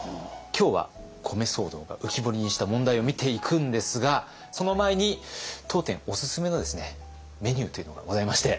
今日は米騒動が浮き彫りにした問題を見ていくんですがその前に当店オススメのメニューというのがございまして。